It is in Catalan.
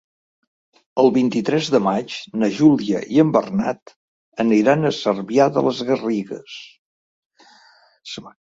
El vint-i-tres de maig na Júlia i en Bernat aniran a Cervià de les Garrigues.